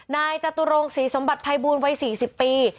นายจตุรงศรีสมบัติภัยบูรณวัย๔๐ปี